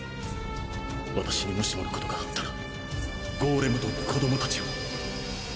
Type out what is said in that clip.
私にもしものことがあったらゴーレムと子どもたちを。